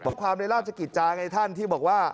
ข้อความในราชกิจจานกฎเบียก๓ท่านที่บอกว่า